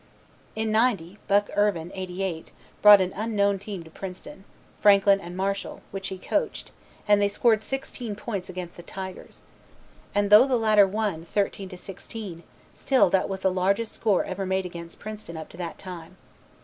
In '90 Buck Irvine '88 brought an unknown team to Princeton, Franklin and Marshall, which he coached, and they scored 16 points against the Tigers. And though the latter won, 33 to 16, still that was the largest score ever made against Princeton up to that time.